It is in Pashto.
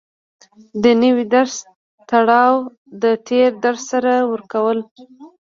د نوي درس تړاو د تېر درس سره ورکول